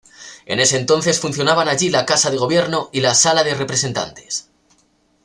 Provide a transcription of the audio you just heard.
En ese entonces funcionaban allí la Casa de Gobierno y la Sala de Representantes.